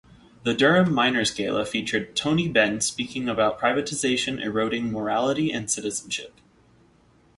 The Durham Miners' Gala featured Tony Benn speaking about privatisation eroding morality and citizenship.